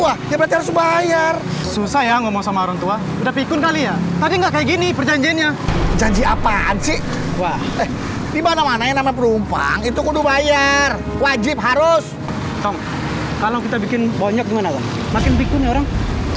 wah ya berarti harus bayar susah ya ngomong sama orang tua udah pikun kali ya tadi nggak kayak gini perjanjiannya janji apaan sih wah di mana mana yang nama perumpang itu kudu bayar wajib harus kalau kita bikin banyak gimana makin pikun orang